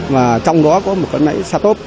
và trong đó có một cái nãy xa tốt